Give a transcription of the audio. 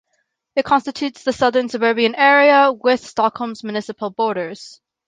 It constitutes the southern suburban area within Stockholm's municipal borders.